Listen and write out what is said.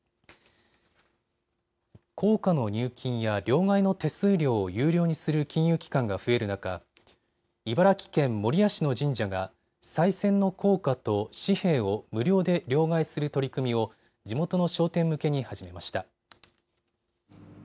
硬貨の入金や両替の手数料を有料にする金融機関が増える中、茨城県守谷市の神社がさい銭の硬貨と紙幣を無料で両替する取り組みを地元の商店向けに始めました。